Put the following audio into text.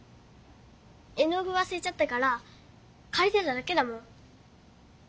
絵の具わすれちゃったからかりてただけだもん。